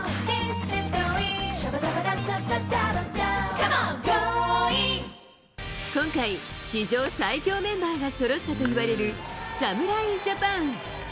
この後今回、史上最強メンバーがそろったといわれる侍ジャパン。